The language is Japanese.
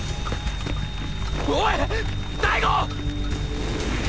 おい大吾！